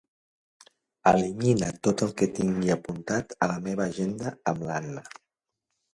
Elimina tot el que tingui apuntat a la meva agenda amb l'Anna.